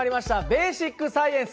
「ベーシックサイエンス」。